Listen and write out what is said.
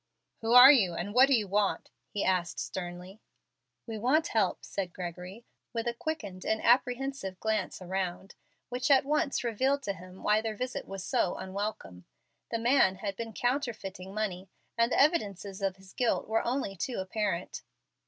"Who are you, and what do you want?" he asked, sternly. "We want help," said Gregory, with a quickened and apprehensive glance around, which at once revealed to him why their visit was so unwelcome. The man had been counterfeiting money, and the evidences of his guilt were only too apparent.